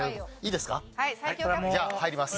じゃあ入ります。